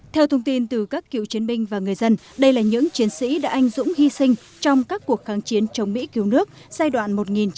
theo thông tin từ các cựu chiến binh và người dân đây là những chiến sĩ đã anh dũng hy sinh trong các cuộc kháng chiến chống mỹ cứu nước giai đoạn một nghìn chín trăm sáu mươi tám một nghìn chín trăm bảy mươi